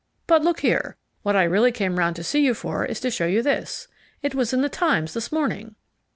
But look here, what I really came round to see you for is to show you this. It was in the Times this morning."